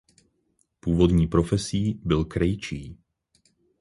Původní profesí byl krejčí.